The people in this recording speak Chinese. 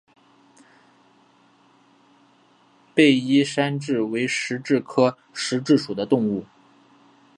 被衣山蛭为石蛭科石蛭属的动物。